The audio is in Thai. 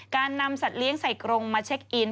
การนำสัตว์เลี้ยงใส่กรงมาเช็คอิน